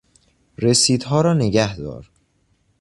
رسیدها را نگهدار.